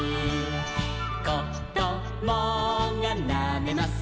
「こどもがなめます